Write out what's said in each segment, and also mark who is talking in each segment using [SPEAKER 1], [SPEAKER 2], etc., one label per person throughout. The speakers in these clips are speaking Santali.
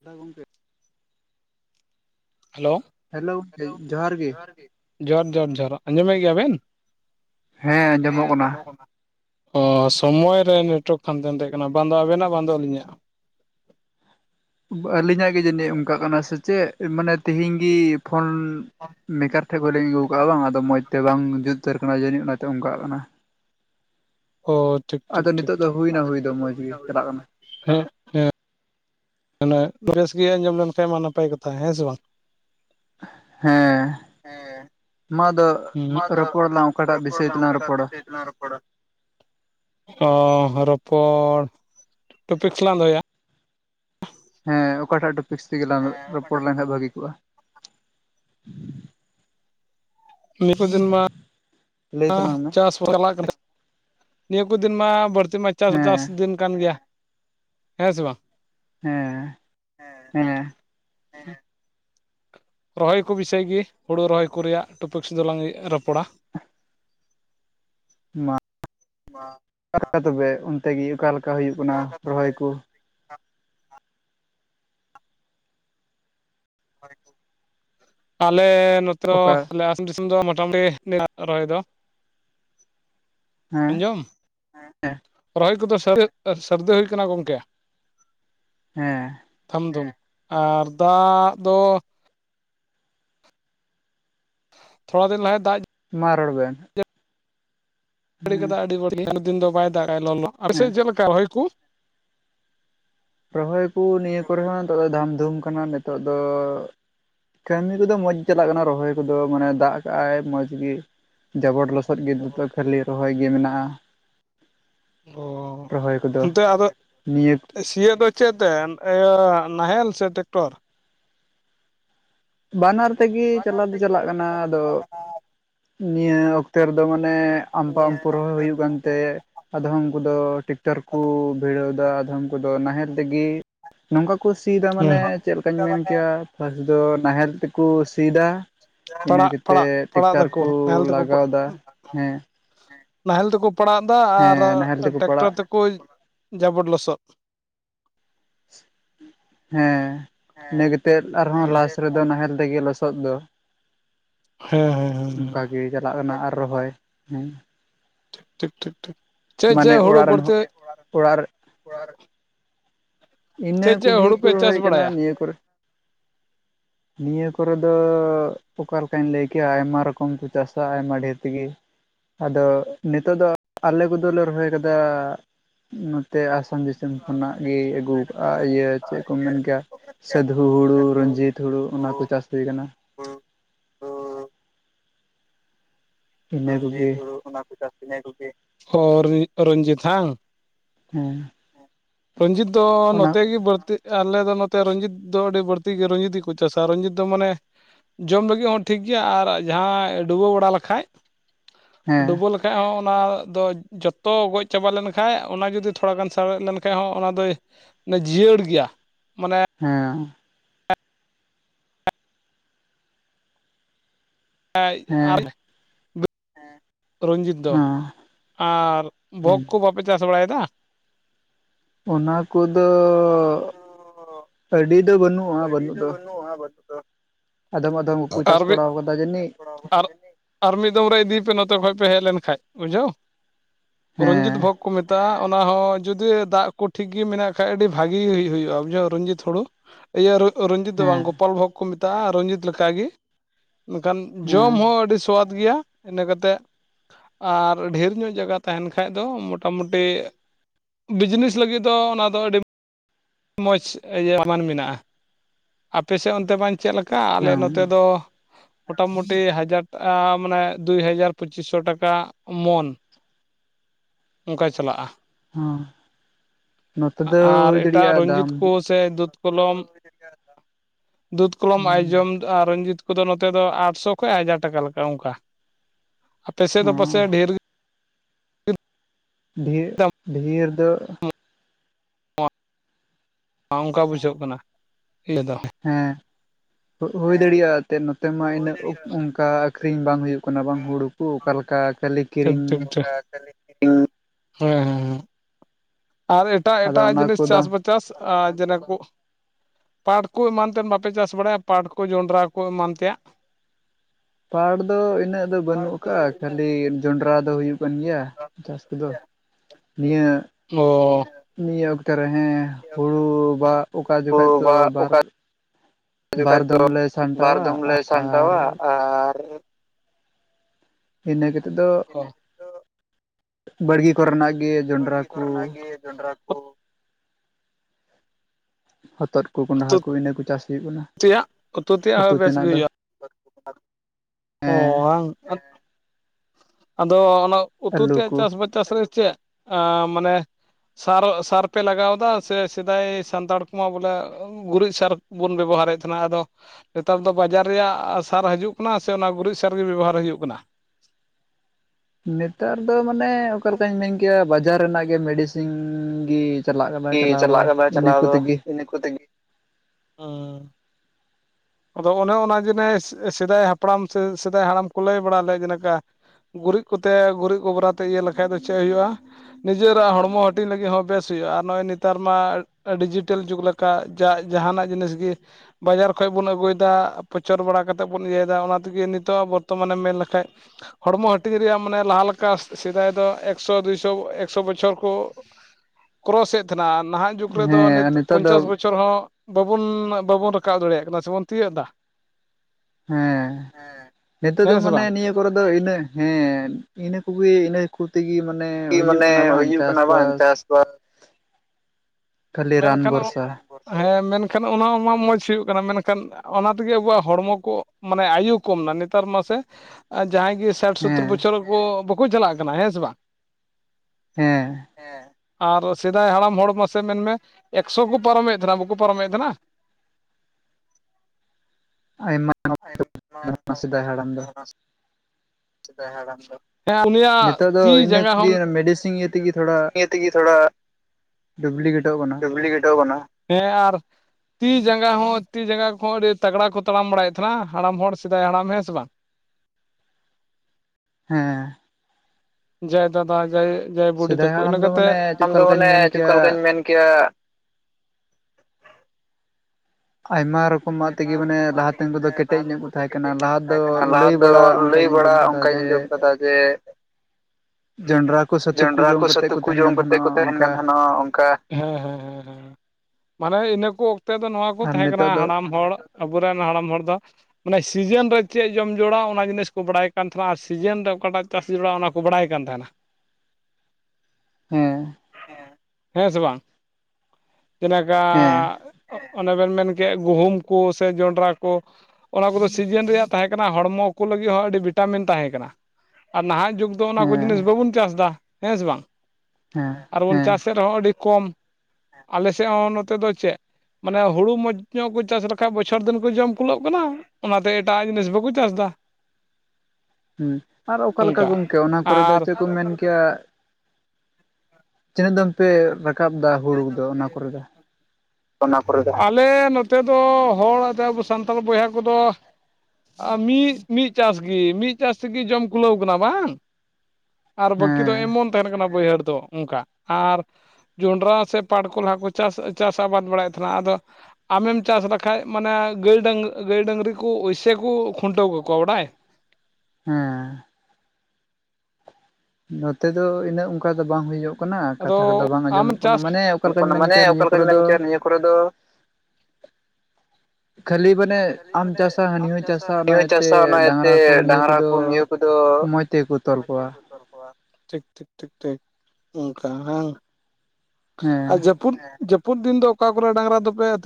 [SPEAKER 1] ᱫᱟ ᱜᱚᱝᱠᱮ᱾
[SPEAKER 2] ᱦᱮᱞᱳ᱾
[SPEAKER 1] ᱦᱮᱞᱳ ᱜᱚᱢᱠᱮ ᱡᱚᱦᱟᱨ ᱜᱮ᱾
[SPEAKER 2] ᱡᱚᱦᱟᱨ ᱡᱚᱦᱟᱨ ᱡᱚᱦᱟᱨ ᱟᱸᱡᱚᱢᱮᱜ ᱜᱮᱭᱟ ᱵᱮᱱ? [inaudible] ᱦᱮᱸ ᱟᱸᱡᱚᱢᱚᱜ ᱠᱟᱱᱟ᱾ [inaudible] ᱚᱻ ᱥᱚᱢᱚᱭ ᱨᱮ ᱱᱮᱴᱣᱚᱨᱠ ᱦᱟᱱᱛᱮ ᱱᱟᱛᱮᱜ ᱠᱟᱱᱟ ᱵᱟᱝ ᱫᱚ ᱟᱵᱮᱱᱟᱜ ᱵᱟᱝ ᱫᱚ ᱟᱹᱞᱤᱧᱟᱜ᱾
[SPEAKER 1] ᱵᱟᱹ ᱟᱹᱞᱤᱧᱟᱜ ᱜᱮ ᱡᱟᱹᱱᱤᱡ ᱚᱱᱠᱟᱜ ᱠᱟᱱᱟ ᱥᱮ ᱪᱮᱜ ᱢᱟᱱᱮ ᱛᱤᱦᱤᱧ ᱜᱤ ᱯᱷᱳᱱ ᱢᱮᱠᱟᱨ ᱴᱷᱮᱜ ᱠᱷᱚᱡ ᱞᱤᱧ ᱟᱹᱜᱩᱣ ᱠᱟᱜ-ᱟ ᱵᱟᱝ ᱾ ᱟᱫᱚ ᱢᱚᱸᱡᱽ ᱛᱮ ᱵᱟᱝ ᱡᱩᱛ ᱩᱛᱟᱹᱨ ᱟᱠᱟᱱᱟ ᱡᱟᱹᱱᱤᱡ ᱚᱱᱟ ᱛᱮ ᱚᱝᱠᱟᱜ ᱠᱟᱱᱟ᱾
[SPEAKER 2] ᱚ ᱴᱷᱤᱠ ᱴᱷᱤᱠ
[SPEAKER 1] ᱟᱫᱚ
[SPEAKER 2] ᱴᱷᱤᱠ
[SPEAKER 1] ᱱᱤᱛᱚᱜ ᱫᱚ
[SPEAKER 2] ᱴᱷᱤᱠ ᱾
[SPEAKER 1] ᱦᱩᱭᱱᱟ
[SPEAKER 2] ᱟᱫᱚ ᱱᱤᱛᱚᱜ ᱫᱚ
[SPEAKER 1] ᱢᱚᱸᱡᱽ
[SPEAKER 2] ᱦᱩᱭ
[SPEAKER 1] ᱜᱮ
[SPEAKER 2] ᱮᱱᱟ ᱦᱩᱭ ᱫᱚ,
[SPEAKER 1] ᱪᱟᱞᱟᱜ ᱠᱟᱱᱟ
[SPEAKER 2] ᱦᱮᱸ᱾ ᱚᱱᱮ ᱵᱮᱥ ᱜᱮ ᱟᱸᱡᱚᱢ ᱞᱮᱱᱠᱷᱟᱡ ᱢᱟ ᱱᱟᱯᱟᱭ ᱠᱟᱛᱷᱟ ᱦᱮᱸ ᱥᱮ ᱵᱟᱝ᱾
[SPEAKER 1] ᱦᱮᱸᱻ ᱾ ᱢᱟ ᱟᱫᱚ ᱨᱚᱯᱚᱲ ᱟᱞᱟᱝ ᱚᱠᱟ ᱴᱟᱜ ᱵᱤᱥᱚᱭ ᱛᱮᱞᱟᱝ ᱨᱚᱯᱚᱲᱟ? [inaudible]
[SPEAKER 2] ᱚ ᱨᱚᱯᱚᱲ [inaudible] ᱴᱚᱯᱤᱠᱥ ᱞᱟᱝ ᱫᱚᱦᱚᱭᱟ ᱾
[SPEAKER 1] ᱦᱮᱸ ᱚᱠᱟᱴᱟᱜ ᱴᱚᱯᱤᱠᱥ ᱛᱮᱜᱮ ᱞᱟᱝ ᱨᱚᱯᱚᱲ ᱞᱮᱱᱠᱷᱟᱱ ᱵᱷᱟᱹᱜᱤ ᱠᱚᱜ-ᱟ? [inaudible]
[SPEAKER 2] ᱱᱤᱭᱟᱹ ᱠᱚ ᱫᱤᱱ ᱢᱟ
[SPEAKER 1] ᱞᱟᱹᱭ
[SPEAKER 2] [inaudible] ᱟᱸ
[SPEAKER 1] ᱛᱟᱞᱟᱝ ᱢᱮ
[SPEAKER 2] ᱪᱟᱥ ᱪᱟᱞᱟᱜ ᱠᱟᱱᱟ᱾ [inaudible] ᱱᱤᱭᱟᱹ ᱠᱚ ᱫᱤᱱ ᱢᱟ ᱵᱟᱹᱲ ᱛᱤ ᱢᱟ ᱪᱟᱥ
[SPEAKER 1] ᱦᱮᱸ
[SPEAKER 2] ᱪᱟᱥ ᱫᱤᱱ ᱠᱟᱱ ᱜᱮᱭᱟ [inaudible] ᱦᱮᱸ ᱥᱮ ᱵᱟᱝ᱾
[SPEAKER 1] ᱦᱮᱸ ᱾ [inaudible] ᱦᱮᱸ ᱾
[SPEAKER 2] ᱨᱚᱦᱚᱭ ᱠᱚ ᱵᱤᱥᱚᱭ ᱜᱮ ᱦᱩᱲᱩ ᱨᱚᱦᱚᱭ ᱠᱚ ᱨᱮᱭᱟᱜ ᱴᱩᱯᱤᱠᱥ ᱫᱚᱞᱟᱝ ᱨᱚᱯᱚᱲᱟ ᱾ [inaudible] ᱵᱟᱝ ᱾
[SPEAKER 1] ᱚᱠᱟ ᱞᱮᱠᱟ ᱛᱚᱵᱮ ᱚᱱᱛᱮ ᱜᱮ ᱚᱠᱟ ᱞᱮᱠᱟ ᱦᱩᱭᱩᱜ ᱠᱟᱱᱟ ᱨᱚᱦᱚᱭ ᱠᱚ?
[SPEAKER 2] [inaudible] ᱟᱞᱮ ᱱᱚᱛᱮᱻ
[SPEAKER 1] ᱚᱠᱟ
[SPEAKER 2] ᱦᱚᱸ ᱟᱞᱮ ᱟᱥ ᱟᱢ ᱫᱤᱥᱚᱢ ᱫᱚ ᱢᱚᱴᱟᱢᱩᱴᱤ ᱨᱚᱦᱚᱭ ᱫᱚ [inaudible]
[SPEAKER 1] ᱦᱮᱸ
[SPEAKER 2] ᱟᱸᱡᱚᱢ ᱦᱮᱸ ᱾ [inaudible] ᱨᱚᱦᱚᱭ ᱠᱚᱫᱚ ᱥᱟᱹᱨ ᱥᱟᱹᱨᱫᱤ ᱦᱩᱭ ᱠᱟᱱᱟ ᱜᱚᱢᱠᱮ ᱾
[SPEAKER 1] ᱦᱮᱸ ᱾
[SPEAKER 2] ᱛᱷᱟᱢ ᱫᱚᱢ ᱟᱨ ᱫᱟᱜᱻ ᱫᱚ ᱛᱷᱚᱲᱟ ᱫᱤᱱ ᱞᱟᱦᱟᱭ ᱫᱟᱜ
[SPEAKER 1] ᱢᱟ ᱨᱚᱲ ᱵᱤᱱ ᱾
[SPEAKER 2] [unintelligible] ᱫᱟᱜ ᱫᱤᱱ ᱫᱚ ᱵᱟᱭ ᱫᱟᱜ-ᱟ ᱞᱚᱞᱚ ᱟᱯᱮ
[SPEAKER 1] ᱦᱮᱸ
[SPEAKER 2] ᱥᱮᱫ ᱪᱮᱫ ᱞᱮᱠᱟ ᱦᱚᱭ ᱠᱚ?
[SPEAKER 1] ᱨᱚᱦᱚᱭ ᱠᱚ ᱱᱤᱭᱟᱹ ᱠᱚᱨᱮ ᱦᱚᱸ ᱱᱤᱛᱚᱜ ᱫᱚ ᱫᱷᱟᱢᱫᱩᱢ ᱠᱟᱱᱟ ᱱᱤᱛᱚᱜ ᱫᱚ ᱾ ᱠᱟᱹᱢᱤ ᱠᱚᱫᱚ ᱢᱚᱸᱡᱽ ᱪᱟᱞᱟᱜ ᱠᱟᱱᱟ ᱨᱚᱦᱚᱭ ᱠᱚᱫᱚ ᱢᱟᱱᱮ ᱫᱟᱜ ᱠᱟᱜ-ᱟᱭ ᱢᱚᱸᱡᱽ ᱜᱮ [inaudible] ᱡᱟᱵᱚᱰ ᱞᱚᱥ ᱥᱚᱫ ᱜᱮ ᱡᱚᱛᱚ ᱠᱷᱟᱹᱞᱤ ᱨᱚᱦᱚᱭ ᱜᱮ ᱢᱮᱱᱟᱜ-ᱟ ᱾
[SPEAKER 2] ᱚ
[SPEAKER 1] [inaudible] ᱨᱚᱦᱚᱭ ᱠᱚᱫᱚ [inaudible] ᱱᱤᱭᱟᱹ
[SPEAKER 2] ᱥᱤᱭᱚᱜ ᱫᱚ ᱪᱮᱫ ᱛᱮ ᱤᱭᱟᱹᱻ ᱱᱟᱦᱮᱞ ᱥᱮ ᱴᱮᱠᱴᱚᱨ?
[SPEAKER 1] ᱵᱟᱱᱟᱨ ᱛᱮᱜᱤ ᱪᱟᱞᱟᱣ ᱫᱚ ᱪᱟᱞᱟᱜ ᱠᱟᱱᱟ ᱾ ᱟᱫᱚ ᱱᱤᱭᱟᱹ ᱚᱠᱛᱮ ᱨᱮᱫᱚ ᱢᱟᱱᱮ ᱟᱢ ᱵᱟᱢ ᱯᱩᱨᱟᱹᱭ ᱦᱩᱭᱩᱜ ᱠᱟᱱᱛᱮ [unintelligible] ᱩᱱᱠᱩ ᱫᱚ ᱴᱮᱠᱴᱟᱨ ᱠᱚ ᱵᱷᱤᱲᱟᱹᱣ ᱮᱫᱟ ᱟᱫᱷᱚᱢ ᱠᱚᱫᱚ ᱱᱟᱦᱮᱞ ᱛᱮᱜᱮ ᱾ ᱱᱚᱝᱠᱟ ᱠᱚ ᱥᱤᱭ ᱮᱫᱟ ᱢᱟᱱᱮ
[SPEAKER 2] ᱦᱮᱸ
[SPEAKER 1] ᱪᱮᱫ ᱞᱮᱠᱟᱧ ᱢᱮᱱ ᱠᱮᱭᱟ ᱯᱷᱟᱥᱴ ᱫᱚ ᱱᱟᱦᱮᱞ ᱛᱮᱠᱚ ᱥᱤᱭᱮᱫᱟ ᱾
[SPEAKER 2] ᱯᱟᱲᱟᱜ ᱯᱟᱲᱟᱜ ᱯᱟᱲᱟᱜ ᱫᱟᱠᱚ ᱱᱟᱦᱮᱞ ᱛᱠᱚ
[SPEAKER 1] ᱞᱟᱜᱟᱣᱫᱟ ᱦᱮᱸ
[SPEAKER 2] ᱱᱟᱦᱮᱞ ᱛᱮᱠᱚ ᱯᱟᱲᱟᱜ ᱫᱟ ᱟᱨ
[SPEAKER 1] ᱦᱮᱸ ᱱᱟᱦᱮᱞ ᱛᱮᱠᱚ
[SPEAKER 2] ᱴᱮᱠᱴᱚᱨ
[SPEAKER 1] ᱯᱟᱲᱟᱜ
[SPEAKER 2] ᱛᱮᱠᱚ ᱡᱟᱵᱚᱫ ᱞᱚᱥᱚᱫ᱾
[SPEAKER 1] ᱦᱮᱸ ᱤᱱᱟᱹ ᱠᱟᱛᱮᱫ ᱟᱨᱦᱚᱸ ᱞᱟᱥ ᱨᱮᱫᱚ ᱱᱟᱦᱮᱞ ᱛᱮᱜᱮ ᱞᱚᱥᱚᱫ ᱫᱚ᱾
[SPEAKER 2] ᱦᱮᱸ ᱦᱮᱸ ᱦᱮᱸ
[SPEAKER 1] ᱵᱷᱟᱜᱮ ᱜᱮ ᱪᱟᱞᱟᱜ ᱠᱟᱱᱟ ᱟᱨ ᱨᱚᱦᱚᱭ ᱦᱩᱸ
[SPEAKER 2] ᱴᱷᱤᱠ ᱴᱷᱤᱠ ᱴᱷᱤᱠ ᱪᱮᱜ
[SPEAKER 1] ᱢᱟᱱᱮ
[SPEAKER 2] ᱪᱮᱜ ᱦᱳᱲᱳ
[SPEAKER 1] ᱚᱲᱟᱜ ᱨᱮᱱ
[SPEAKER 2] ᱵᱳᱲᱛᱮ
[SPEAKER 1] ᱚᱲᱟᱜ ᱨᱮ ᱤᱱᱟᱹ
[SPEAKER 2] ᱪᱮᱫ ᱪᱮᱫ
[SPEAKER 1] ᱠᱚᱜᱮ
[SPEAKER 2] ᱦᱩᱲᱩ
[SPEAKER 1] ᱠᱚ
[SPEAKER 2] ᱯᱮ ᱪᱟᱥ
[SPEAKER 1] ᱨᱚᱦᱚᱭ ᱠᱟᱱᱟ
[SPEAKER 2] ᱵᱟᱲᱟᱭᱟ
[SPEAKER 1] ᱱᱤᱭᱟᱹ ᱠᱚᱨᱮ᱾ ᱱᱤᱭᱟᱹ ᱠᱚᱨᱮ ᱫᱚ ᱚᱠᱟᱞᱮᱠᱟᱧ ᱞᱟᱹᱭ ᱠᱮᱭᱟ ᱟᱭᱢᱟ ᱨᱚᱠᱚᱢ ᱜᱮ᱾ ᱪᱟᱥᱟ ᱟᱭᱢᱟ ᱰᱷᱮᱨ ᱛᱮᱜᱮ᱾ ᱟᱫᱚ ᱱᱤᱛᱚᱜ ᱫᱚ ᱟᱞᱮ ᱠᱚᱫᱚᱞᱮ ᱨᱚᱦᱚᱭ ᱟᱠᱟᱫᱟ ᱱᱚᱛᱮ ᱟᱥᱟᱢ ᱫᱤᱥ ᱥᱚᱢ ᱠᱷᱚᱱᱟᱜ ᱜᱮ ᱟᱹᱜᱩ᱾ ᱟ ᱤᱭᱟᱹ ᱪᱮᱫ ᱠᱚᱢ ᱢᱮᱱ ᱠᱮᱜ ᱟ ᱥᱟᱹᱫᱷᱩ ᱦᱩᱲᱩ ᱨᱚᱱᱡᱤᱛ ᱦᱩᱲᱩ ᱚᱱᱟ ᱠᱚ ᱪᱟᱥ ᱛᱟᱦᱮ ᱠᱟᱱᱟ᱾ ᱤᱱᱟᱹ
[SPEAKER 2] ᱨᱚᱧᱡᱤᱛ
[SPEAKER 1] ᱠᱚᱜᱮ
[SPEAKER 2] ᱦᱳᱲᱳ ᱚᱱᱟ ᱠᱚ ᱪᱟᱥ [unintelligible] ᱨᱚᱧᱡᱤᱛ ᱦᱟᱝ?
[SPEAKER 1] ᱦᱮᱸ
[SPEAKER 2] ᱯᱚᱱᱡᱤᱛ ᱫᱚ
[SPEAKER 1] ᱚᱱᱟ
[SPEAKER 2] ᱱᱚᱛᱮ ᱜᱮ ᱵᱟᱹᱲᱛᱤ ᱟᱞᱮ ᱫᱚ ᱱᱚᱛᱮ ᱨᱚᱱᱡᱤᱛ ᱫᱚ ᱟᱹᱰᱤ ᱵᱟᱹᱲᱛᱤ ᱜᱮ ᱨᱚᱱᱡᱤᱛ ᱜᱮᱠᱚ ᱪᱟᱥᱟ ᱨᱚᱱᱡᱤᱛ ᱫᱚ ᱢᱟᱱᱮ ᱡᱚᱢ ᱞᱟᱹᱜᱤᱫ ᱦᱚᱸ ᱴᱷᱤᱠ ᱜᱮᱭᱟ ᱟᱨ ᱡᱟᱦᱟᱸ ᱰᱩᱵᱟᱹ ᱵᱟᱲᱟ ᱞᱮᱠᱷᱟᱡ
[SPEAKER 1] ᱦᱮᱸ
[SPEAKER 2] ᱰᱩᱵᱟᱹ ᱞᱮᱠᱷᱟᱡ ᱦᱚᱸ ᱚᱱᱟ ᱫᱚ ᱡᱚᱛᱚ ᱜᱚᱡ ᱪᱟᱵᱟ ᱞᱮᱱᱠᱷᱟᱡ ᱚᱱᱟ ᱡᱩᱫᱤ ᱛᱷᱚᱲᱟ ᱜᱟᱱ ᱥᱟᱨᱮᱡ ᱞᱮᱱᱠᱷᱟᱱ ᱦᱚᱸ ᱚᱱᱟᱫᱚᱭ ᱡᱤᱭᱟᱹᱲ ᱜᱮᱭᱟ ᱢᱟᱱᱮ
[SPEAKER 1] ᱦᱮᱸ
[SPEAKER 2] ᱮᱸ
[SPEAKER 1] ᱦᱮᱸ ᱦᱮᱸ
[SPEAKER 2] ᱟᱨᱤᱡ [unintelligible] ᱨᱚᱱᱡᱤᱛ ᱫᱚ ᱟᱨ
[SPEAKER 1] ᱦᱩᱸ
[SPEAKER 2] ᱵᱷᱳᱜᱽ ᱠᱚ ᱵᱟᱯᱮ ᱪᱟᱥ ᱵᱟᱲᱟᱭᱫᱟ?
[SPEAKER 1] ᱚᱱᱟ ᱠᱚᱫᱚ, ᱟᱹᱰᱤ ᱫᱚ ᱵᱟᱹᱱᱩᱜᱼᱟ ᱵᱟᱹᱱᱩᱜ ᱫᱚ᱾ ᱟᱫᱚᱢ ᱟᱫᱚᱢ ᱠᱚᱠᱚ
[SPEAKER 2] ᱟᱨ
[SPEAKER 1] ᱪᱟᱥ
[SPEAKER 2] ᱢᱤᱜ
[SPEAKER 1] ᱵᱟᱲᱟᱣ ᱠᱟᱫᱟ ᱡᱟᱹᱱᱤᱡ
[SPEAKER 2] ᱟᱨ ᱟᱨ ᱢᱤᱫ ᱫᱚᱢ ᱨᱮ ᱤᱫᱤᱭᱯᱮ ᱱᱚᱛᱮ ᱠᱷᱚᱡ ᱯᱮ ᱦᱮᱡ ᱞᱮᱱᱠᱷᱟᱡ ᱵᱩᱡᱷᱟᱹᱣ ᱨᱚᱱᱡᱤᱛ
[SPEAKER 1] ᱦᱮᱸ
[SPEAKER 2] ᱵᱷᱳᱜᱽ ᱠᱚ ᱢᱮᱛᱟᱜᱼᱟ᱾ ᱚᱱᱟ ᱦᱚᱸ ᱡᱩᱫᱤ ᱫᱟᱜ ᱠᱚ ᱴᱷᱤᱠ ᱜᱮ ᱢᱮᱱᱟᱜ ᱠᱷᱟᱡ ᱟᱹᱰᱤ ᱵᱷᱟᱹᱜᱤ ᱦᱩᱭᱩᱜᱼᱟ ᱵᱩᱡᱷᱟᱹᱣ ᱨᱚᱱᱡᱤᱛ ᱦᱳᱲᱳ᱾ ᱤᱭᱟᱹ ᱨᱚ-ᱨᱚᱱᱡᱤᱛ ᱫᱚ ᱵᱟᱝ
[SPEAKER 1] ᱦᱮᱸ
[SPEAKER 2] ᱜᱳᱯᱟᱞ ᱵᱷᱳᱜᱽ ᱠᱚ ᱢᱮᱛᱟᱜᱼᱟ, ᱨᱚᱱᱡᱤᱛ ᱞᱮᱠᱟᱜᱮ᱾ ᱢᱮᱱᱠᱷᱟᱱ ᱡᱚᱢ
[SPEAKER 1] ᱦᱮᱸ
[SPEAKER 2] ᱦᱚᱸ ᱟᱹᱰᱤ ᱥᱣᱟᱫ ᱜᱮᱭᱟ ᱤᱱᱟᱹ ᱠᱟᱛᱮᱜ ᱟᱨ ᱰᱷᱮᱨ ᱧᱚᱜ ᱡᱟᱭᱜᱟ ᱛᱟᱦᱮᱱ ᱠᱷᱟᱡ ᱫᱚ ᱢᱚᱴᱟᱢᱩᱴᱤ ᱵᱤᱡᱽᱱᱮᱥ ᱞᱟᱹᱜᱤᱫ ᱫᱚ ᱚᱱᱟ ᱫᱚ ᱟᱹᱰᱤ ᱢᱚᱡᱽ ᱤᱭᱟᱹ ᱥᱟᱢᱟᱱ ᱢᱮᱱᱟᱜᱼᱟ ᱟᱯᱮ ᱥᱮᱜ ᱚᱱᱛᱮ ᱵᱟᱝ ᱪᱮᱜ ᱞᱮᱠ ᱟᱞᱮ
[SPEAKER 1] ᱦᱮᱸ
[SPEAKER 2] ᱱᱚᱛᱮ ᱫᱚ ᱢᱚᱴᱟᱢᱩᱴᱤ ᱦᱟᱡᱟᱨᱟ ᱢᱟᱱᱮ ᱫᱩᱭ ᱦᱟᱡᱟᱨ ᱯᱚᱸᱪᱤᱥ ᱥᱚ ᱴᱟᱠᱟ ᱢᱚᱱ᱾ ᱚᱝᱠᱟ ᱪᱟᱞᱟᱜᱼᱟ᱾
[SPEAKER 1] ᱦᱚᱸ ᱱᱚᱛᱮ ᱫᱚ
[SPEAKER 2] ᱟᱨ
[SPEAKER 1] ᱦᱩᱭ
[SPEAKER 2] ᱮᱴᱟᱜ
[SPEAKER 1] ᱫᱟᱲᱮᱭᱟᱜᱼᱟ ᱫᱟᱢ᱾
[SPEAKER 2] ᱨᱚᱧᱡᱤᱛ ᱠᱚ ᱥᱮ ᱫᱩᱫ ᱠᱚᱞᱚᱢ ᱫᱩᱛ ᱠᱚᱞᱚᱢ ᱟᱭᱳᱡᱚᱢ ᱟᱨ ᱨᱚᱱᱡᱤᱛ ᱠᱚᱫᱚ ᱱᱚᱛᱮ ᱫᱚ ᱟᱴᱥᱚ ᱠᱷᱚᱡ ᱦᱟᱡᱟᱨ ᱴᱟᱠᱟ ᱞᱮᱠᱟ ᱚᱝᱠᱟ᱾ ᱟᱯᱮ ᱥᱮᱜ ᱫᱚ ᱯᱥᱮᱡ
[SPEAKER 1] ᱦᱚᱸ
[SPEAKER 2] ᱰᱷᱮᱨ ᱜᱮ? ᱫᱟᱢᱚᱜᱼᱟ
[SPEAKER 1] ᱰᱷᱮ-ᱰᱷᱮᱨ ᱫᱚ᱾
[SPEAKER 2] ᱟᱝ ᱚᱝᱠᱟ ᱵᱩᱡᱷᱟᱹᱜ ᱠᱟᱱᱟ ᱤᱭᱟᱹ ᱫᱚ᱾
[SPEAKER 1] ᱦᱮᱸ ᱦᱳᱭ ᱫᱟᱲᱮᱭᱟᱜᱼᱟ ᱮᱱᱛᱮᱫ ᱱᱚᱛᱮ ᱢᱟ ᱤᱱᱟᱹᱜ ᱚᱝᱠᱟ ᱟᱹᱠᱷᱨᱤᱧ ᱵᱟᱝ ᱦᱳᱭᱳᱜ ᱠᱟᱱᱟ ᱵᱟᱝ ᱦᱳᱲᱳ ᱠᱩ ᱚᱠᱟᱞᱮᱠᱟ ᱠᱷᱟᱹᱞᱤ ᱠᱤᱨᱤᱧ
[SPEAKER 2] ᱟ ᱠᱷᱟᱹᱞᱤ [unintelligible] ᱦᱮᱸ ᱦᱮᱸ ᱦᱮᱸ ᱟᱨ ᱮᱴᱟᱜ
[SPEAKER 1] ᱟᱫᱚ
[SPEAKER 2] ᱮᱴᱟᱜ
[SPEAKER 1] ᱚᱱᱟ ᱠᱚ
[SPEAKER 2] ᱡᱤᱱᱤᱥ ᱪᱟᱥ
[SPEAKER 1] ᱫᱟᱢ
[SPEAKER 2] ᱵᱟ ᱪᱟᱥ ᱡᱮᱱᱚ ᱠᱚ ᱯᱟᱴ ᱠᱚ ᱮᱢᱟᱱ ᱛᱮᱱ ᱵᱟᱯᱮ ᱪᱟᱥ ᱵᱟᱲᱟᱭᱟ ᱯᱟᱴ ᱠᱚ ᱡᱚᱱᱰᱨᱟ ᱠᱚ ᱮᱢᱟᱱ ᱛᱮᱭᱟᱜ?
[SPEAKER 1] ᱯᱟᱴ ᱫᱚ ᱤᱱᱟᱹᱜ ᱫᱚ ᱵᱟᱹᱱᱩᱜ ᱟᱠᱟᱜ ᱠᱷᱟᱹᱞᱤ ᱡᱚᱸᱰᱨᱟ ᱫᱚ ᱦᱩᱭᱩᱜ ᱠᱟᱱ ᱜᱮᱭᱟ᱾ ᱪᱟᱥ ᱠᱚᱫᱚ ᱱᱤᱭᱟᱹ
[SPEAKER 2] ᱚᱻ
[SPEAKER 1] ᱱᱤᱭᱟᱹ ᱚᱠᱛᱚ ᱨᱮ ᱦᱮᱸ ᱦᱩᱲᱩ ᱵᱟ ᱚᱠᱟ ᱡᱚᱠᱷᱡ ᱛᱚ ᱵᱟᱨ
[SPEAKER 2] ᱡᱚᱠᱷᱟᱡ
[SPEAKER 1] ᱵᱟᱨ
[SPEAKER 2] ᱫᱚ
[SPEAKER 1] ᱫᱚᱢ ᱞᱮ
[SPEAKER 2] ᱵᱟᱨ
[SPEAKER 1] ᱥᱟᱢᱴᱟᱣᱟ
[SPEAKER 2] ᱫᱚᱢ ᱞᱮ
[SPEAKER 1] ᱟᱨ
[SPEAKER 2] ᱥᱟᱢᱴᱟᱣᱟ ᱟᱨ
[SPEAKER 1] ᱤᱱᱟᱹ ᱠᱟᱛᱮ ᱫᱚ ᱵᱟᱲᱜᱮ ᱠᱚᱨᱮᱱᱟᱜ ᱜᱮ ᱡᱚᱱᱰᱨᱟ ᱠᱚ
[SPEAKER 2] ᱡᱚᱱᱰᱨᱟ ᱠᱚ
[SPEAKER 1] ᱦᱚᱛᱚᱫ ᱠᱚ ᱠᱚᱸᱰᱟ
[SPEAKER 2] ᱩᱛᱩ
[SPEAKER 1] ᱠᱚ ᱤᱱᱟᱹ ᱠᱩ ᱪᱟᱥ ᱦᱩᱭᱩᱜ ᱠᱟᱱᱟ
[SPEAKER 2] ᱛᱮᱭᱟᱜ ᱛᱮᱭᱟᱜ
[SPEAKER 1] ᱩᱛᱩ
[SPEAKER 2] ᱦᱚᱸ ᱵᱮᱥ ᱜᱮ
[SPEAKER 1] ᱛᱮᱱᱟᱜ ᱫᱚ
[SPEAKER 2] ᱦᱩᱭᱩᱜᱼᱟ ᱚ
[SPEAKER 1] ᱦᱮᱸ
[SPEAKER 2] ᱵᱟᱝ ᱟᱫᱚ ᱚᱱᱟ ᱩᱛᱩ
[SPEAKER 1] ᱟᱹᱞᱩ
[SPEAKER 2] ᱛᱮᱭᱟᱜ
[SPEAKER 1] ᱠᱚ
[SPEAKER 2] ᱪᱟᱥ ᱪᱟᱥᱨᱮ ᱪᱮᱫ ᱟᱸ ᱢᱟᱱᱮ ᱥᱟᱨ ᱥᱟᱨᱯᱮ ᱞᱟᱜᱟᱣᱮᱫᱟ ᱥᱮ ᱥᱮᱫᱟᱭ ᱥᱟᱱᱛᱟᱲ ᱠᱚᱢᱟ ᱵᱚᱞᱮ ᱜᱩᱨᱤᱡ ᱥᱟᱨ ᱵᱚᱱ ᱵᱮᱵᱚᱦᱟᱨᱮᱫ ᱛᱟᱦᱮᱱᱟ ᱟᱫᱚ ᱱᱮᱛᱟᱨ ᱫᱚ ᱵᱟᱡᱟᱨ ᱨᱮᱭᱟᱜ ᱥᱟᱨ ᱦᱤᱡᱩᱜ ᱠᱟᱱᱟ᱾ ᱥᱮ ᱚᱱᱟ ᱜᱩᱨᱤᱡ ᱥᱟᱨ ᱜᱮ ᱵᱮᱵᱚᱦᱟᱨ ᱦᱩᱭᱩᱜ ᱠᱟᱱᱟ᱾
[SPEAKER 1] ᱱᱮᱛᱟᱨ ᱫᱚ ᱢᱟᱱᱮ ᱚᱠᱟᱞᱮᱧ ᱢᱮᱱ ᱠᱮᱭᱟ ᱵᱟᱡᱟᱨ ᱨᱮᱱᱟᱜ ᱜᱮ ᱢᱮᱰᱤᱥᱤᱱ ᱜᱮ ᱪᱟᱞᱟᱜ ᱠᱟᱱᱟ
[SPEAKER 2] ᱜᱮ
[SPEAKER 1] ᱪᱟᱞᱟᱣ
[SPEAKER 2] ᱪᱟᱞᱟᱜ ᱠᱟᱱᱟ
[SPEAKER 1] ᱤᱱᱟᱹ
[SPEAKER 2] ᱪᱟᱞᱟᱣ
[SPEAKER 1] ᱠᱚ
[SPEAKER 2] ᱫᱚ
[SPEAKER 1] ᱛᱮᱜᱮ
[SPEAKER 2] ᱤᱱᱟᱹ ᱠᱚ ᱛᱮᱜᱮ ᱦᱩᱸ᱾
[SPEAKER 1] [unintelligible]
[SPEAKER 2] ᱟᱫᱚ ᱚᱱᱮ ᱚᱱᱟ ᱡᱤᱱᱤᱥ ᱥᱮᱫᱟᱭ ᱦᱟᱯᱲᱟᱢ ᱥᱮ ᱥᱮᱫᱟᱭ ᱦᱟᱲᱟᱢ ᱠᱚ ᱞᱟᱹᱭ ᱵᱟᱲᱟ ᱞᱮᱫ ᱡᱮᱞᱮᱠᱟ ᱜᱩᱨᱤᱡ ᱠᱚᱛᱮ ᱜᱩᱨᱤᱡ ᱜᱚᱵᱨᱟ ᱛᱮ ᱤᱭᱟᱹ ᱞᱮᱠᱷᱟᱡ ᱫᱚ ᱪᱮᱫ ᱦᱩᱭᱩᱜ-ᱟ ᱱᱤᱡᱮᱨᱟᱜ ᱦᱚᱲᱢᱚ ᱦᱟᱹᱴᱤᱧ ᱞᱟᱹᱜᱤᱫ ᱦᱚᱸ ᱵᱮᱥ ᱦᱩᱭᱩᱜ-ᱟ, ᱟᱨ ᱱᱚᱜᱼᱚᱭ ᱱᱮᱛᱟᱨ ᱢᱟ ᱰᱤᱡᱤᱴᱮᱞ ᱡᱩᱜᱽ ᱞᱮᱠᱟ ᱡᱟᱜ ᱡᱟᱦᱟ ᱱᱟᱜ ᱡᱤᱱᱤᱥ ᱜᱮ ᱵᱟᱡᱟᱨ ᱠᱷᱚᱡ ᱵᱚᱱ ᱟᱹᱜᱩᱭᱮᱫᱟ ᱯᱚᱪᱚᱨ ᱵᱟᱲᱟ ᱠᱟᱛᱮᱫ ᱵᱚᱱ ᱤᱭᱟᱹᱭᱫᱟ ᱚᱱᱟ ᱛᱮᱜᱮ ᱱᱤᱛᱚᱜ-ᱟᱜ ᱵᱚᱨᱛᱚᱢᱟᱱᱮᱢ ᱢᱮᱱ ᱞᱮᱠᱷᱟᱡ ᱦᱚᱲᱢᱚ ᱦᱟᱹᱴᱤᱧ ᱨᱮᱭᱟᱜ ᱢᱟᱱᱮ ᱞᱟᱦᱟ ᱞᱮᱠᱟ ᱥᱮᱫᱟᱭ ᱫᱚ ᱮᱠᱥᱚ ᱫᱩᱭᱥᱚ ᱮᱠᱥᱚ ᱵᱚᱪᱷᱚᱨ ᱠᱚ ᱠᱨᱚᱥ ᱮᱫ ᱛᱟᱦᱮᱱᱟ ᱱᱟᱦᱟᱜ ᱡᱩᱜᱽ ᱨᱮᱫᱚ ᱱᱤᱛ
[SPEAKER 1] ᱦᱮᱸ ᱱᱤᱛᱚᱜ
[SPEAKER 2] ᱯᱚᱧᱪᱟᱥ
[SPEAKER 1] ᱫᱚ
[SPEAKER 2] ᱵᱚᱪᱷᱚᱨ ᱵᱪᱷᱚᱨ ᱦᱚᱸ ᱵᱟᱵᱚᱱ ᱵᱟᱵᱚᱱ ᱨᱟᱠᱟᱵ ᱫᱟᱲᱮᱭᱟᱜ ᱠᱟᱱᱟ ᱥᱮᱵᱚᱱ ᱛᱤᱭᱳᱟᱹᱜ ᱫᱟ ᱾
[SPEAKER 1] ᱦᱮᱸ ᱱᱤᱛᱳᱜ ᱫᱚ
[SPEAKER 2] ᱦᱮᱸ ᱥᱮ
[SPEAKER 1] ᱢᱟᱱᱮ
[SPEAKER 2] ᱵᱟᱝ
[SPEAKER 1] ᱱᱤᱭᱟᱹ ᱠᱚᱨᱮ ᱫᱚ ᱤᱱᱟᱹ ᱦᱮᱸ ᱤᱱᱟᱹ ᱠᱚᱜᱮ ᱤᱱᱟᱹ ᱠᱩ ᱛᱮᱜᱮ ᱢᱟᱱᱮ ᱦᱩᱭᱩᱜ ᱠᱟᱱᱟ ᱵᱟᱝ ᱪᱟᱥᱵᱟᱥ ᱾
[SPEAKER 2] ᱢᱮᱱᱠᱷᱟᱱ
[SPEAKER 1] ᱵᱷᱚᱨᱥᱟ
[SPEAKER 2] ᱦᱮᱸ ᱢᱮᱱᱠᱷᱟᱱ ᱚᱱᱟ ᱢᱟ ᱢᱚᱡᱽ ᱦᱩᱭᱩᱜ ᱠᱟᱱᱟ ᱢᱮᱱᱠᱷᱟᱱ ᱚᱱᱟ ᱛᱮᱜᱮ ᱟᱵᱚᱣᱟᱜ ᱦᱚᱲᱢᱚ ᱠᱚ ᱢᱟᱱᱮ ᱟᱭᱩ ᱠᱚᱢᱱᱟ ᱱᱮᱛᱟᱨ ᱢᱟᱥᱮ ᱡᱟᱦᱟᱸᱭ ᱜᱮ ᱥᱟᱴ ᱥᱳᱛᱛᱨ
[SPEAKER 1] ᱦᱮᱸ
[SPEAKER 2] ᱵᱚᱪᱷᱚᱨ ᱠᱚ ᱵᱟᱠᱚ ᱪᱟᱞᱟᱜ ᱠᱟᱱᱟ ᱦᱮᱸ ᱥᱮ ᱵᱟᱝ ᱾
[SPEAKER 1] ᱦᱮᱸ ᱾
[SPEAKER 2] ᱦᱮᱸ ᱟᱨ ᱥᱮᱫᱟᱭ ᱦᱟᱲᱟᱢ ᱦᱚᱲ ᱢᱟᱥᱮ ᱢᱮᱱᱢᱮ ᱮᱠᱥᱚ ᱠᱩ ᱯᱟᱨᱚᱢᱮᱫ ᱛᱮᱦᱮᱱᱟ ᱵᱟᱠᱚ ᱯᱟᱨᱚᱢᱮᱫ ᱛᱮᱦᱮᱱᱟ᱾
[SPEAKER 1] [unintelligible]
[SPEAKER 2] ᱥᱮᱫᱟᱭ ᱦᱟᱲᱟᱢ ᱫᱚ ᱦᱮᱸ ᱩᱱᱤᱭᱟᱜ
[SPEAKER 1] ᱱᱤᱛᱚᱜ
[SPEAKER 2] ᱛᱤ
[SPEAKER 1] ᱫᱚ ᱤᱱᱟᱹ
[SPEAKER 2] ᱡᱟᱸᱜᱟ ᱦᱚ
[SPEAKER 1] ᱠᱚᱜᱮ ᱢᱮᱰᱤᱥᱤᱱ ᱤᱭᱟᱹ ᱛᱮᱜᱮ
[SPEAKER 2] [inaudible] ᱛᱮᱜᱮ ᱛᱷᱚᱲᱟ
[SPEAKER 1] ᱰᱩᱵᱞᱤᱠᱮᱴᱚᱜ ᱠᱟᱱᱟ᱾
[SPEAKER 2] ᱰᱩᱵᱞᱤᱠᱮᱴᱚᱜ ᱠᱟᱱᱟ ᱦᱮᱸ ᱟᱨ ᱛᱤ ᱡᱟᱸᱜᱟ ᱦᱚᱸ ᱛᱤ ᱡᱟᱸᱜᱟ ᱠᱚᱦᱚᱸ ᱟᱹᱰᱤ ᱛᱟᱜᱲᱟ ᱠᱚ ᱛᱟᱲᱟᱢ ᱵᱟᱲᱟᱭᱮᱫ ᱛᱟᱦᱮᱱᱟ ᱦᱟᱲᱟᱢ ᱦᱚᱲ ᱥᱮᱫᱟᱭ ᱦᱟᱲᱟᱢ ᱦᱮᱸ ᱥᱮ ᱵᱟᱝ?
[SPEAKER 1] ᱦᱮᱸ ᱾
[SPEAKER 2] ᱡᱟᱭ ᱫᱟᱫᱟ ᱡᱟᱭ ᱡᱟᱭ ᱵᱩᱰᱤ
[SPEAKER 1] ᱥᱮᱫᱟᱭ
[SPEAKER 2] ᱛᱟᱠᱚ
[SPEAKER 1] ᱦᱟᱲᱟᱢ
[SPEAKER 2] ᱤᱱᱟᱹ
[SPEAKER 1] ᱫᱚ
[SPEAKER 2] ᱠᱟᱛᱮ
[SPEAKER 1] ᱢᱟᱱᱮ
[SPEAKER 2] ᱟᱢ
[SPEAKER 1] ᱚᱠᱟ
[SPEAKER 2] ᱫᱚ
[SPEAKER 1] ᱞᱮᱠᱟᱧ
[SPEAKER 2] ᱵᱚᱞᱮ
[SPEAKER 1] ᱢᱮᱱ
[SPEAKER 2] ᱚᱠᱟ
[SPEAKER 1] ᱠᱮᱭᱟ
[SPEAKER 2] ᱞᱮᱠᱟᱧ ᱢᱮᱱ ᱠᱮᱭᱟ
[SPEAKER 1] ᱟᱭᱢᱟ ᱨᱚ
[SPEAKER 2] ᱟᱭᱢᱟ ᱨᱚᱠᱚᱢ ᱵᱷᱟᱵ ᱛᱮᱜᱮ ᱢᱟᱱᱮ ᱞᱟᱦᱟ
[SPEAKER 1] ᱠᱚ
[SPEAKER 2] ᱛᱮᱱᱠᱩ ᱫᱚ
[SPEAKER 1] ᱛᱟᱦᱮᱸ
[SPEAKER 2] ᱠᱮᱴᱮᱡ
[SPEAKER 1] ᱠᱟᱱᱟ
[SPEAKER 2] ᱧᱚᱜ
[SPEAKER 1] ᱞᱟᱦᱟ
[SPEAKER 2] ᱠᱩ
[SPEAKER 1] ᱫᱚ
[SPEAKER 2] ᱛᱟᱦᱮᱸ ᱠᱟᱱᱟ ᱞᱟᱦᱟ
[SPEAKER 1] ᱞᱟᱹᱭ
[SPEAKER 2] ᱫᱚ
[SPEAKER 1] ᱵᱟᱲᱟ
[SPEAKER 2] ᱞᱟᱹᱭ
[SPEAKER 1] ᱚᱱᱠᱟᱧ
[SPEAKER 2] ᱵᱟᱲᱟ
[SPEAKER 1] ᱟᱸᱡᱚᱢ ᱠᱟᱫᱟ
[SPEAKER 2] ᱚᱱᱠᱟᱧ
[SPEAKER 1] ᱡᱮ
[SPEAKER 2] ᱟᱸᱡᱚᱢ ᱠᱟᱫᱟ ᱡᱮ
[SPEAKER 1] ᱡᱚᱱᱰᱨᱟ ᱠᱚ ᱥᱟᱹᱛᱩ
[SPEAKER 2] ᱡᱚᱸᱰᱨᱟ
[SPEAKER 1] ᱡᱚᱢ
[SPEAKER 2] ᱠᱚ
[SPEAKER 1] ᱠᱟᱛᱮᱫ
[SPEAKER 2] ᱥᱟᱛᱩ ᱠᱩ
[SPEAKER 1] ᱛᱟᱦᱮᱱ
[SPEAKER 2] ᱡᱚᱢ
[SPEAKER 1] ᱠᱟᱱ
[SPEAKER 2] ᱠᱟᱛᱮ ᱠᱚ
[SPEAKER 1] ᱛᱟᱦᱮᱱᱟ
[SPEAKER 2] ᱛᱟᱦᱮᱱ ᱠᱟᱱ
[SPEAKER 1] ᱚᱱᱠᱟ
[SPEAKER 2] ᱛᱟᱦᱮᱱᱟ ᱚᱱᱠᱟ ᱦᱮᱸ ᱦᱮᱸ ᱦᱮᱸ ᱦᱮᱸ, ᱢᱟᱱᱮ ᱤᱱᱟᱹ ᱠᱚ ᱚᱠᱛᱮ ᱫᱚ ᱱᱚᱣᱟ ᱠᱚ
[SPEAKER 1] ᱟᱨ
[SPEAKER 2] ᱛᱟᱦᱮᱸ
[SPEAKER 1] ᱱᱤᱛᱚᱜ
[SPEAKER 2] ᱠᱟᱱᱟ
[SPEAKER 1] ᱫᱚ
[SPEAKER 2] ᱦᱟᱲᱟᱢ ᱦᱚᱲ ᱟᱵᱚᱨᱮᱱ ᱦᱟᱲᱟᱢ ᱦᱚᱲ ᱫᱚ ᱢᱟᱱᱮ ᱥᱤᱡᱟᱹᱱ ᱨᱮ ᱪᱮᱫ ᱡᱚᱢ ᱡᱚᱲᱟᱣ ᱚᱱᱟ ᱡᱤᱱᱤᱥ ᱠᱚ ᱵᱟᱲᱟᱭ ᱠᱟᱱ ᱛᱟᱦᱮᱱᱟ ᱟᱨ ᱥᱤᱡᱟᱹᱱ ᱨᱮ ᱚᱠᱟᱴᱟᱜ ᱪᱟᱥ ᱡᱚᱲᱟᱜ-ᱟ ᱚᱱᱟ ᱠᱚ ᱵᱟᱲᱟᱭ ᱠᱟᱱ ᱛᱟᱦᱮᱱᱟ ᱾
[SPEAKER 1] [inaudible] ᱦᱮᱸ
[SPEAKER 2] ᱦᱮᱸ᱾ ᱦᱮᱸ ᱥᱮ ᱵᱟᱝ? ᱡᱮᱞᱮᱠᱟ
[SPEAKER 1] ᱦᱮᱸ
[SPEAKER 2] ᱚᱱᱮ ᱵᱮᱱ ᱢᱮᱱ ᱠᱮᱜ ᱜᱩᱦᱩᱢ ᱠᱚ ᱥᱮ ᱡᱚᱱᱰᱨᱟ ᱠᱚ ᱚᱱᱟ ᱠᱚᱫᱚ ᱥᱤᱡᱤᱱ ᱨᱮᱭᱟᱜ ᱛᱟᱦᱮᱸ ᱠᱟᱱᱟ ᱦᱚᱲᱢᱚ ᱠᱩ ᱞᱟᱹᱜᱤᱫ ᱦᱚᱸ ᱟᱹᱰᱤ ᱵᱷᱤᱴᱟᱢᱤᱱ ᱛᱟᱦᱮᱸ ᱠᱟᱱᱟ, ᱟᱨ ᱱᱟᱦᱟᱜ ᱡᱩᱜᱽ ᱛᱚ ᱚᱱᱟ ᱠᱩ ᱡᱤᱱᱤᱥ
[SPEAKER 1] ᱦᱮᱸ
[SPEAKER 2] ᱵᱟᱵᱩᱱ ᱪᱟᱥ ᱫᱟ ᱦᱮᱸ ᱥᱮ ᱵᱟᱝ?
[SPEAKER 1] ᱦᱮᱸ
[SPEAKER 2] ᱟᱨ ᱵᱩᱱ
[SPEAKER 1] ᱦᱮᱸ
[SPEAKER 2] ᱪᱟᱥᱮᱫ ᱨᱮᱦᱚ ᱟᱹᱰᱤ ᱠᱚᱢ ᱟᱞᱮ ᱥᱮᱫ ᱦᱚᱸ ᱱᱚᱛᱮ ᱫᱚ ᱪᱮᱫ ᱢᱟᱱᱮ ᱦᱩᱲᱩ ᱢᱚᱡ ᱧᱚᱜ ᱠᱚ ᱪᱟᱥ ᱨᱟᱠ ᱠᱟᱵ ᱵᱚᱪᱷᱚᱨ ᱫᱚ ᱱᱩᱠᱩ ᱡᱚᱢ ᱠᱩᱞᱟᱹᱜ ᱠᱟᱱᱟ ᱚᱱᱟ ᱛᱮ ᱮᱴᱟᱜ ᱟᱜ ᱡᱤᱱᱤᱥ ᱵᱟᱠᱚ ᱪᱟᱥ ᱫᱟ ᱾
[SPEAKER 1] ᱦᱩᱸ, ᱟᱨ ᱚᱠᱟ ᱞᱮᱠᱟ
[SPEAKER 2] ᱚᱱᱠᱟ
[SPEAKER 1] ᱜᱚᱢᱠᱮ ᱚᱱᱟ ᱠᱚᱨᱮ ᱫᱚ
[SPEAKER 2] ᱟᱨ
[SPEAKER 1] ᱪᱮᱫ ᱠᱚ ᱢᱮᱱ ᱠᱮᱭᱟ? ᱛᱤᱱᱟᱹᱜ ᱫᱚᱢ ᱯᱮ ᱨᱟᱠᱟᱵ ᱫᱟ ᱦᱩᱲᱩ ᱫᱚ ᱚᱱᱟ ᱠᱚᱨᱮ ᱫᱚ?
[SPEAKER 2] ᱚᱱᱟ ᱠᱚᱨᱮ ᱫᱚ? ᱟᱞᱮ ᱱᱚᱛᱮ ᱫᱚ ᱦᱚᱲ ᱟᱫᱚ ᱟᱵᱚ ᱥᱟᱱᱛᱟᱲ ᱵᱚᱭᱦᱟ ᱠᱚᱫᱚ ᱟᱨ ᱢᱤᱫ ᱢᱤᱜ ᱪᱟᱥ ᱜᱤ, ᱢᱤᱜ ᱪᱟᱥ ᱛᱤᱜᱤ ᱡᱚᱢ ᱠᱩᱞᱟᱹᱣ ᱠᱟᱱᱟ ᱵᱟᱝ ᱾ ᱟᱨ ᱵᱟᱹᱠᱤ ᱫᱚ
[SPEAKER 1] ᱦᱮᱸ
[SPEAKER 2] ᱮᱢᱚᱱ ᱛᱟᱦᱮᱱ ᱠᱟᱱᱟ ᱵᱟᱹᱭᱦᱟᱹᱲ ᱫᱚ ᱚᱱᱠᱟ ᱟᱨ ᱡᱚᱸᱰᱨᱟ ᱥᱮ ᱯᱟᱴ ᱠᱚ ᱞᱟᱦᱟ ᱠᱚ ᱪᱟᱥ ᱪᱟᱥ ᱟᱵᱟᱫ ᱵᱟᱲᱟᱭᱮᱫ ᱛᱟᱦᱮᱱᱟ ᱟᱫᱚ ᱟᱢᱮᱢ ᱪᱟᱥ ᱞᱮᱠᱷᱟᱡ ᱢᱟᱱᱮ ᱜᱟᱹᱭ ᱰᱟᱹᱝ ᱜᱟᱹᱭ ᱰᱟᱹᱝᱨᱤ ᱠᱩ ᱚᱭᱥᱮ ᱠᱩ ᱠᱷᱩᱱᱴᱟᱹᱣ ᱠᱟᱠᱚᱣᱟ ᱵᱟᱰᱟᱭ
[SPEAKER 1] ᱦᱮᱸ ᱾ ᱱᱚᱛᱮ ᱫᱚ ᱤᱱᱟᱹᱜ ᱚᱱᱠᱟ ᱫᱚ ᱵᱟᱝ ᱦᱳᱭᱳᱜ ᱠᱟᱱᱟ
[SPEAKER 2] ᱟᱫᱚ
[SPEAKER 1] ᱠᱟᱛᱷᱟ ᱠᱚᱫᱚ ᱵᱟᱝ
[SPEAKER 2] ᱟᱢ
[SPEAKER 1] ᱟᱸᱡᱚᱢᱚᱜ ᱠᱟᱱᱟ
[SPEAKER 2] ᱪᱟᱥ
[SPEAKER 1] ᱢᱟᱱᱮ ᱚᱠᱟ ᱞᱮᱠᱟᱧ ᱢᱮᱱ ᱠᱮᱭᱟ ᱱᱤᱭᱟᱹ ᱠᱚᱨᱮ ᱫᱚ
[SPEAKER 2] ᱠᱚᱨᱮ ᱫᱚ
[SPEAKER 1] [inaudible] ᱠᱷᱟᱹᱞᱤ ᱢᱟᱱᱮ ᱟᱢ ᱪᱟᱥᱟ ᱦᱟᱹᱱᱤ ᱦᱚᱭ ᱪᱟᱥᱟ ᱚᱱᱟ ᱤᱭᱟᱹᱛᱮ ᱰᱟᱝᱨᱟ ᱠᱚ ᱢᱤᱦᱩ ᱠᱚᱫᱚ ᱢᱚᱡᱽ ᱛᱮᱠᱚ ᱛᱚᱞ ᱠᱚᱣᱟ ᱾
[SPEAKER 2] ᱛᱚᱞ ᱠᱚᱣᱟ ᱾ ᱴᱷᱤᱠ ᱴᱷᱤᱠ ᱴᱷᱤᱠ ᱴᱷᱤᱠ ᱾ ᱚᱱᱠᱟ ᱦᱟᱝ?
[SPEAKER 1] ᱦᱮᱸ
[SPEAKER 2] ᱟᱨ ᱡᱟᱹᱯᱩᱫ ᱡᱟᱹᱯᱩᱫ ᱫᱤᱱ ᱫᱚ ᱚᱠᱟ ᱠᱚᱨᱮ ᱰᱟᱝᱨᱟ ᱫᱚᱯᱮ ᱟᱛ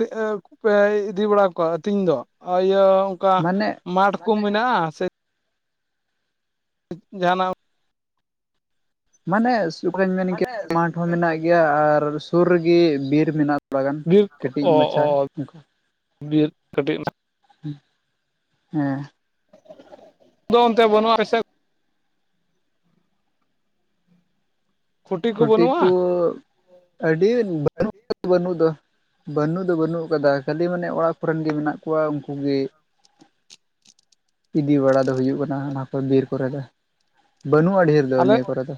[SPEAKER 2] ᱯᱮ ᱤᱫᱤ ᱵᱟᱲᱟ ᱠᱚᱣᱟ ᱟᱹᱛᱤᱧ ᱫᱚ ᱟᱨ ᱤᱭᱟᱹ ᱚᱱᱠᱟ
[SPEAKER 1] ᱢᱟᱱᱮ
[SPEAKER 2] ᱢᱟᱴ ᱠᱚ ᱢᱮᱱᱟᱜᱼᱟ? ᱥᱮ ᱡᱟᱦᱟᱱᱟᱜ
[SPEAKER 1] ᱢᱟᱱᱮ [unintelligible] ᱢᱟᱴ ᱦᱚᱸ ᱢᱮᱱᱟᱜ ᱜᱮᱭᱟ ᱟᱨ ᱥᱩᱨ ᱨᱮᱜᱮ ᱵᱤᱨ ᱢᱮᱱᱟᱜᱼᱟ ᱛᱷᱚᱲᱟ ᱜᱟᱱ ᱾
[SPEAKER 2] ᱵᱤᱨ ᱚ ᱚ ᱵᱤᱨ ᱠᱟᱹᱴᱤᱡ [unintelligible]
[SPEAKER 1] ᱦᱮᱸ ᱾
[SPEAKER 2] ᱫᱚ ᱚᱱᱛᱮ ᱵᱟᱱᱩᱜ-ᱟ ᱟᱯᱮ ᱥᱮᱫ?
[SPEAKER 1] ᱠᱷᱩᱴᱤ ᱠᱚ ᱟᱹᱰᱤ
[SPEAKER 2] ᱟᱹᱰᱤ
[SPEAKER 1] ᱵᱟᱹᱱᱩᱜ ᱫᱚ ᱵᱟᱹᱱᱩᱜ ᱫᱚ ᱵᱟᱹᱱᱩᱜ ᱟᱠᱟᱫᱟ ᱠᱷᱟᱹᱞᱤ ᱢᱟᱱᱮ ᱚᱲᱟᱜ ᱠᱚᱨᱮᱱ ᱜᱮ ᱢᱮᱱᱟᱜ ᱠᱚᱣᱟ ᱩᱱᱠᱩᱜ ᱜᱮ ᱤᱫᱤ ᱵᱟᱲᱟ ᱫᱚ ᱦᱩᱭᱩᱜ ᱠᱟᱱᱟ ᱚᱱᱟ ᱠᱚ ᱵᱤᱨ ᱠᱚᱨᱮ ᱫᱚ ᱵᱟᱹᱱᱩᱜᱼᱟ ᱰᱷᱮᱨ ᱫᱚ
[SPEAKER 2] ᱟᱞᱮ,
[SPEAKER 1] ᱱᱤᱭᱟᱹ ᱠᱚᱨᱮ ᱫᱚ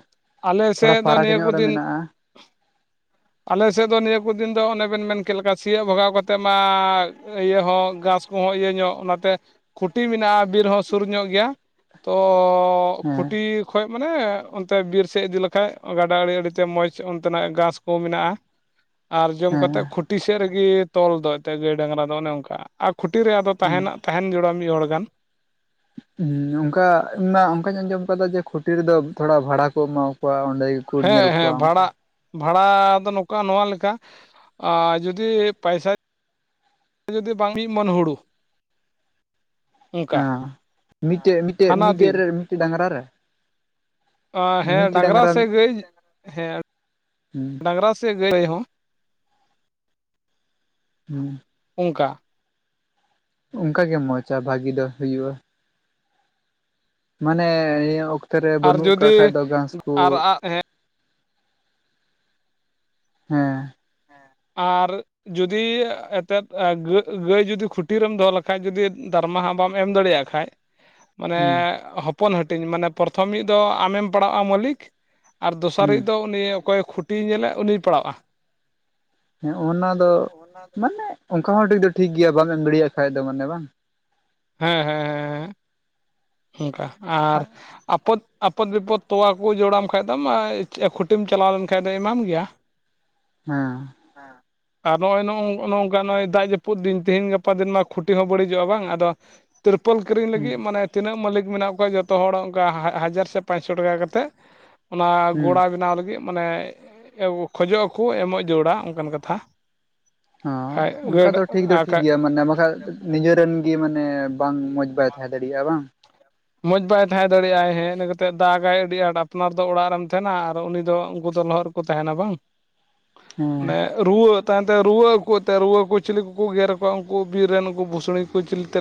[SPEAKER 2] ᱟᱞᱮ
[SPEAKER 1] ᱛᱷᱚᱲᱟ
[SPEAKER 2] ᱥᱮᱫ ᱫᱚ
[SPEAKER 1] ᱯᱷᱟᱨᱟᱠ
[SPEAKER 2] ᱱᱤᱭᱟᱹ ᱠᱚ
[SPEAKER 1] ᱧᱚᱜ ᱨᱮ
[SPEAKER 2] ᱫᱤᱱ
[SPEAKER 1] [unintelligible]
[SPEAKER 2] ᱟᱞᱮ ᱥᱮᱫ ᱫᱚ ᱱᱤᱭᱟᱹ ᱠᱚ ᱫᱤᱱ ᱫᱚ ᱚᱱᱮ ᱵᱮᱱ ᱢᱮᱱ ᱠᱮᱫ ᱞᱮᱠᱟ ᱥᱤᱭᱳᱜ ᱵᱷᱟᱜᱟᱣ ᱠᱟᱛᱮᱫ ᱢᱟ ᱤᱭᱟᱹ ᱦᱚᱸ ᱜᱷᱟᱥ ᱠᱚᱦᱚᱸ ᱤᱭᱟᱹ ᱧᱚᱜ ᱚᱱᱟᱛᱮ ᱠᱷᱩᱴᱤ ᱢᱮᱱᱟᱜᱼᱟ ᱵᱤᱨ ᱦᱚᱸ ᱥᱩᱨ ᱧᱚᱜ ᱜᱮᱭᱟ᱾ ᱛᱚ
[SPEAKER 1] ᱦᱮᱸ
[SPEAKER 2] ᱠᱷᱩᱴᱤ ᱠᱷᱚᱡ ᱢᱟᱱᱮ ᱚᱱᱛᱮ ᱵᱤᱨ ᱥᱮᱫ ᱤᱫᱤ ᱞᱮᱠᱷᱟᱡ ᱜᱟᱰᱟ ᱟᱲᱮ ᱟᱲᱛᱮ ᱢᱚᱡᱽ ᱚᱱᱛᱮᱱᱟᱜ ᱜᱷᱟᱥ ᱠᱚ ᱢᱮᱱᱟᱜᱼᱟ᱾
[SPEAKER 1] [inaudible]
[SPEAKER 2] ᱟᱨ ᱡᱚᱢ
[SPEAKER 1] ᱦᱮᱸ
[SPEAKER 2] ᱠᱟᱛᱮᱫ ᱠᱷᱩᱴᱤ ᱥᱮᱫ ᱨᱮᱜᱮ ᱛᱚᱞ ᱫᱚ ᱮᱱᱛᱮ ᱜᱟᱹᱭ ᱰᱟᱝᱨᱟ ᱫᱚ ᱚᱱᱮ ᱚᱱᱠᱟ ᱟᱨ ᱠᱷᱩᱴᱤ ᱨᱮ ᱟᱫᱚ
[SPEAKER 1] ᱦᱮᱸ
[SPEAKER 2] ᱛᱟᱦᱮᱱᱟ᱾ ᱛᱟᱦᱮᱱ ᱡᱚᱲᱼᱟ ᱢᱤᱫ ᱦᱚᱲ ᱜᱟᱱ᱾
[SPEAKER 1] ᱩᱸ ᱚᱱᱠᱟ ᱤᱧ ᱢᱟ ᱚᱱᱠᱟᱧ ᱟᱸᱡᱚᱢ ᱟᱠᱟᱫᱟ ᱡᱮ ᱠᱷᱩᱴᱤ ᱨᱮᱫᱚ ᱛᱷᱚᱲᱟ ᱵᱷᱟᱲᱟ ᱠᱚ ᱮᱢᱟᱠᱚᱣᱟ ᱚᱸᱰᱮ ᱜᱮᱠᱚ ᱧᱮᱞ
[SPEAKER 2] ᱦᱮᱸ
[SPEAKER 1] ᱠᱚᱣᱟ
[SPEAKER 2] ᱦᱮᱸ
[SPEAKER 1] ᱚᱱᱠᱟ
[SPEAKER 2] ᱵᱷᱟᱲᱟ ᱵᱷᱟᱲᱟ ᱫᱚ ᱱᱚᱝᱠᱟ ᱱᱚᱣᱟ ᱞᱮᱠᱟ, ᱟᱸ ᱡᱩᱫᱤ ᱯᱟᱭᱥᱟ ᱡᱩᱫᱤ ᱵᱟᱝ [inaudible] ᱢᱤᱫ ᱢᱚᱱ ᱦᱩᱲᱩ᱾ ᱚᱱᱠᱟ
[SPEAKER 1] ᱚᱸ ᱢᱤᱫᱴᱮᱡ ᱢᱤᱫᱴᱮᱡ
[SPEAKER 2] ᱦᱟᱱᱟ
[SPEAKER 1] ᱢᱤᱫᱴᱮᱡ
[SPEAKER 2] ᱫᱤᱱ
[SPEAKER 1] ᱨᱮ ᱢᱤᱫᱴᱮᱡ ᱰᱟᱝᱨᱟ ᱨᱮ?
[SPEAKER 2] ᱚ ᱦᱮᱸ ᱰᱟᱝᱨᱟ ᱥᱮᱡ ᱜᱟᱹᱭ, ᱦᱮᱸ,
[SPEAKER 1] ᱦᱩᱸ
[SPEAKER 2] ᱰᱟᱝᱨᱟ ᱥᱮ ᱜᱟᱹᱭ ᱦᱚᱸ?
[SPEAKER 1] ᱦᱩᱸ᱾
[SPEAKER 2] ᱚᱱᱠᱟ᱾
[SPEAKER 1] ᱚᱱᱠᱟᱜᱮ ᱢᱚᱸᱡᱽ ᱟᱨ ᱵᱷᱟᱜᱤ ᱫᱚ ᱦᱩᱭᱩᱜᱼᱟ᱾ ᱢᱟᱱᱮ ᱱᱤᱭᱟᱹ ᱚᱠᱛᱮ ᱨᱮ
[SPEAKER 2] ᱟᱨ
[SPEAKER 1] ᱵᱟᱹᱱᱩᱜ ᱠᱟᱜ ᱠᱷᱟᱡ
[SPEAKER 2] ᱡᱩᱫᱤ
[SPEAKER 1] ᱫᱚ ᱜᱷᱟᱸᱥ ᱠᱩ,
[SPEAKER 2] ᱟᱨ
[SPEAKER 1] ᱦᱮᱸ᱾
[SPEAKER 2] ᱟᱨ ᱡᱩᱫᱤ ᱮᱛᱮᱫ ᱮᱸ ᱜᱟᱹᱜ ᱜᱟᱹᱭ ᱡᱩᱫᱤ ᱠᱷᱩᱴᱤᱨᱮᱢ ᱫᱚᱦᱚ ᱞᱮᱠᱷᱟᱡ ᱡᱩᱫᱤ ᱫᱟᱨᱢᱟ ᱦᱟᱸᱜ ᱵᱟᱢ ᱮᱢ ᱫᱟᱲᱮᱭᱟᱜ ᱠᱷᱟᱡ,
[SPEAKER 1] [inaudible]
[SPEAKER 2] ᱢᱟᱱᱮ ᱦᱚᱯᱚᱱ ᱦᱟᱹᱴᱤᱧ, ᱢᱟᱱᱮ ᱯᱨᱚᱛᱷᱚᱢᱤᱡ ᱫᱚ ᱟᱢᱮᱢ ᱯᱟᱲᱟᱜᱼᱟ ᱢᱟᱹᱞᱤᱠ ᱟᱨ
[SPEAKER 1] ᱦᱩᱸ
[SPEAKER 2] ᱫᱚᱥᱟᱨᱤᱡ ᱫᱚ ᱩᱱᱤ ᱚᱠᱚᱭᱮ ᱠᱷᱩᱴᱤᱭ ᱧᱮᱞᱮᱫ ᱩᱱᱤᱭ ᱯᱟᱲᱟᱣᱼᱟ᱾
[SPEAKER 1] ᱦᱮ ᱚᱱᱟ ᱫᱚ, ᱢᱟᱱᱮ ᱚᱱᱠᱟ ᱦᱚᱸ ᱴᱷᱤᱠ ᱫᱚ ᱴᱷᱤᱠ ᱜᱮᱭᱟ ᱵᱟᱢ ᱮᱢ ᱫᱟᱲᱮᱭᱟᱜ ᱠᱷᱟᱡ ᱫᱚ ᱢᱟᱱᱮ ᱵᱟᱝ᱾
[SPEAKER 2] ᱦᱮᱸ ᱦᱮᱸ᱾ ᱦᱮᱸ ᱚᱱᱠᱟ ᱟᱨ ᱟᱯᱚᱫ ᱟᱯᱚᱫ ᱵᱤᱯᱚᱫ ᱛᱚᱣᱟ ᱠᱚ ᱡᱚᱲᱟᱢ ᱠᱷᱟᱡ ᱫᱚᱢ ᱮᱸ ᱪᱮ ᱠᱷᱩᱴᱤᱢ ᱪᱟᱞᱟᱣ ᱞᱮᱱᱠᱷᱟᱡ ᱫᱚᱭ ᱮᱢᱟᱢ ᱜᱮᱭᱟ᱾
[SPEAKER 1] ᱦᱮᱸ᱾
[SPEAKER 2] ᱦᱮᱸ᱾ ᱟᱨ ᱱᱚᱜᱼᱚᱭ ᱱᱚᱜ ᱱᱚ ᱱᱚᱝᱠᱟ ᱱᱚᱜ-ᱚᱭ ᱫᱟᱜ ᱡᱟᱹᱯᱩᱫ ᱫᱤᱱ ᱛᱤᱦᱤᱧ ᱜᱟᱯᱟ ᱫᱤᱱ ᱢᱟ ᱠᱷᱩᱴᱤ ᱦᱚᱸ ᱵᱟᱹᱲᱤᱡᱚᱜᱼᱟ ᱵᱟᱝ ᱟᱫᱚ ᱛᱨᱤᱯᱚᱞ ᱠᱤᱨᱤᱧ
[SPEAKER 1] ᱦᱩᱸ
[SPEAKER 2] ᱞᱟᱹᱜᱤᱫ ᱢᱟᱱᱮ ᱛᱤᱱᱟᱹᱜ ᱢᱟᱹᱞᱤᱠ ᱢᱮᱱᱟᱜ ᱠᱚᱣᱟ ᱡᱚᱛᱚ ᱦᱚᱲ ᱚᱱᱠᱟ ᱦᱟ ᱦᱟᱡᱟᱨ ᱥᱮ ᱯᱟᱸᱪᱥᱚ ᱴᱟᱠᱟ ᱠᱟᱛᱮᱫ ᱚᱱᱟ
[SPEAKER 1] ᱦᱩᱸ
[SPEAKER 2] ᱜᱚᱲᱟ ᱵᱮᱱᱟᱣ ᱞᱟᱹᱜᱤᱫ ᱢᱟᱱᱮ ᱮ ᱮᱜᱚ ᱠᱷᱚᱡᱚᱜ ᱟᱠᱚ ᱮᱢᱚᱜ ᱡᱚᱲᱟ ᱚᱱᱠᱟᱱ ᱠᱟᱛᱷᱟ᱾
[SPEAKER 1] ᱦᱚᱸ
[SPEAKER 2] ᱠᱷᱟᱡ
[SPEAKER 1] ᱚᱱᱠᱟ
[SPEAKER 2] ᱜᱟᱹᱰ
[SPEAKER 1] ᱫᱚ ᱴᱷᱤᱠ ᱫᱚ ᱴᱷᱤᱠ
[SPEAKER 2] ᱟᱠᱷᱟᱡ
[SPEAKER 1] ᱜᱮᱭᱟ ᱢᱟᱱᱮ ᱵᱟᱠᱷᱟᱡ ᱱᱤᱡᱮᱨᱮᱱ ᱜᱮ ᱢᱟᱱᱮ ᱵᱟᱝ ᱢᱚᱡᱽ ᱵᱟᱭ ᱛᱟᱦᱮᱸ ᱫᱟᱲᱮᱭᱟᱜᱼᱟ ᱵᱟᱝ?
[SPEAKER 2] ᱢᱚᱡᱽ ᱵᱟᱭ ᱛᱟᱦᱮᱸ ᱫᱟᱲᱮᱭᱟᱜᱼ ᱟᱭ ᱦᱮᱸ ᱤᱱᱟᱹ ᱠᱟᱛᱮᱫ ᱫᱟᱜᱟᱭ ᱟᱹᱰᱤ ᱟᱸᱴ ᱟᱯᱱᱟᱨ ᱫᱚ ᱚᱲᱟᱜ ᱨᱮᱢ ᱛᱟᱦᱮᱱᱟ ᱟᱨ ᱩᱱᱤ ᱫᱚ ᱩᱱᱠᱩ ᱫᱚ ᱞᱚᱦᱚᱫ ᱨᱮ ᱠᱚ ᱛᱟᱦᱮᱱᱟ ᱵᱟᱝ?
[SPEAKER 1] [inaudible]
[SPEAKER 2] ᱢᱟᱱᱮ ᱨᱩᱣᱟᱹᱜ ᱛᱟᱭᱚᱢᱛᱮ ᱨᱩᱣᱟᱹᱜ ᱟᱠᱚ ᱮᱛ ᱨᱩᱣᱟᱹ ᱠᱚ ᱪᱤᱞᱤ ᱠᱚᱠᱚ ᱜᱮᱨ ᱟᱠᱚᱣᱟ ᱩᱱᱠᱩ ᱵᱤᱨ ᱨᱮᱱ ᱩᱱᱠᱩ ᱵᱷᱩᱥᱲᱤ ᱠᱚ ᱪᱤᱞᱤ ᱛᱮ